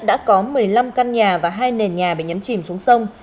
đã có một mươi năm căn nhà và hai nền nhà bị nhấn chìm xuống sông